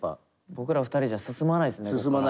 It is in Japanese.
僕ら２人じゃ進まないですねこっから。